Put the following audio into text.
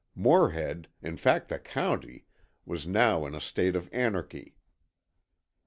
Morehead, in fact the county, was now in a state of anarchy.